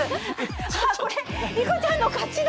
あっこれリコちゃんの勝ちだ！